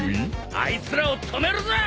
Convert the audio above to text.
あいつらを止めるぞ！